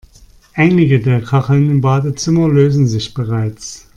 Einige der Kacheln im Badezimmer lösen sich bereits.